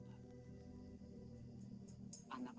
bukan cuman itu saja pak